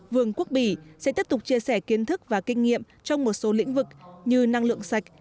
vương quốc bỉ sẽ tiếp tục chia sẻ kiến thức và kinh nghiệm trong một số lĩnh vực như năng lượng sạch